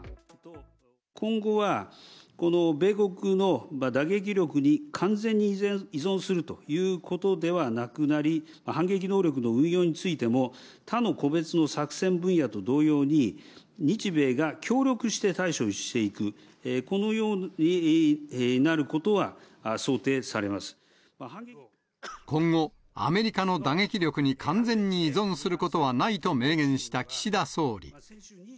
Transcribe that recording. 今後は、この米国の打撃力に完全に依存するということではなくなり、反撃能力の運用についても、他の個別の作戦分野と同様に、日米が協力して対処していく、このようになることは想定されま今後、アメリカの打撃力に完全に依存することはないと明言した岸田総理。